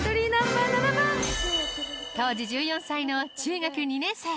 当時１４歳の中学２年生。